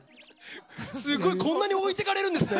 すごいこんなに置いてかれるんですね。